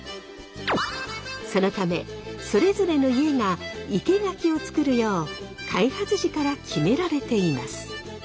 そのためそれぞれの家が生け垣を作るよう開発時から決められています。